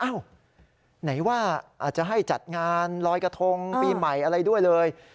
ไหนว่าอาจจะให้จัดงานลอยกระทงปีใหม่อะไรด้วยเลย